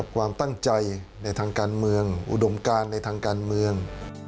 ความตั้งใจในทางการเมืองอุดมการในทางการเมือง